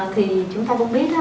thì chúng ta cũng biết đó